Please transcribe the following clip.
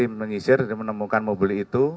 tim mengisir dia menemukan mobil itu